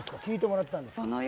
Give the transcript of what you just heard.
聞いてもらったんですか？